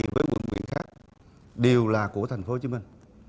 với quận huyện khác đều là của thành phố hồ chí minh